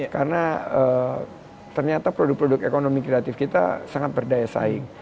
karena ternyata produk produk ekonomi kreatif kita sangat berdaya saing